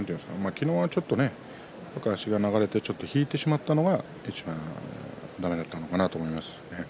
昨日はちょっと足が流れて引いてしまったのがだめだったのかなと思いますね。